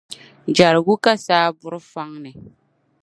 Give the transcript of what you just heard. Jɛrigu ka saa buri fɔŋ ni.